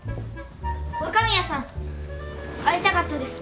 若宮さん会いたかったです。